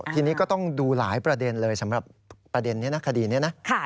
ทีนี้ก็ต้องดูหลายประเด็นเลยสำหรับประเด็นนี้นะคดีนี้นะ